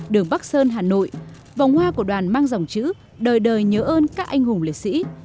đường bắc sơn hà nội vòng hoa của đoàn mang dòng chữ đời đời nhớ ơn các anh hùng liệt sĩ